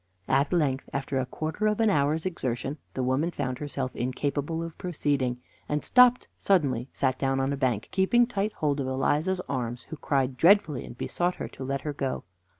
At length, after a quarter of an hour's exertion, the woman found herself incapable of proceeding, and stopped suddenly, sat down on a bank, keeping tight hold of Eliza's arms, who cried dreadfully, and besought her to let her go.